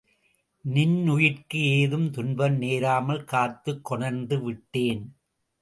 நின்னுயிர்க்கு ஏதும் துன்பம் நேராமல் காத்துக் கொணர்ந்து விட்டேன்.